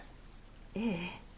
ええ。